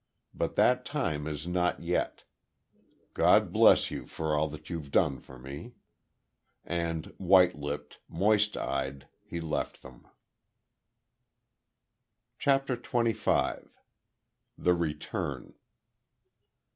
But that time is not yet. God bless you for all that you've done for me." And, white lipped, moist eyed, he left them. CHAPTER TWENTY FIVE. THE RETURN.